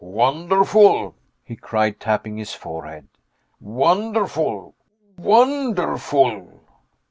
"Wonderful!" he cried, tapping his forehead. "Wonderful wonderful!"